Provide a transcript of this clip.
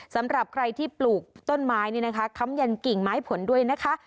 สำหรับใครที่ปลูกต้นไม้นี่นะคะค้ำยันกิ่งไม้ผลด้วยนะคะ